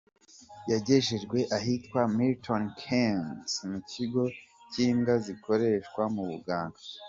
Yagejejwe ahitwa Milton Keynes, mu kigo cy'imbwa zikoreshwa mu buganga.